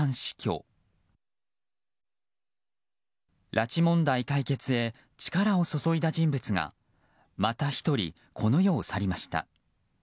拉致問題解決へ力を注いだ人物がまた一人、この世を去りました。